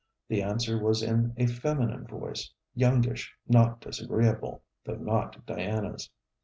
The answer was in a feminine voice, youngish, not disagreeable, though not Diana's.